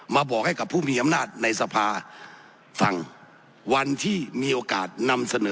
บอกให้กับผู้มีอำนาจในสภาฟังวันที่มีโอกาสนำเสนอ